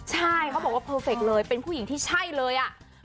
ใช่เขาบอกว่าเพอร์เฟคเลยเป็นผู้หญิงที่ใช่เลยอ่ะ